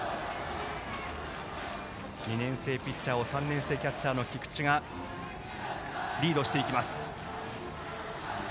２年生ピッチャーを３年生キャッチャーの菊池がリードしていきます。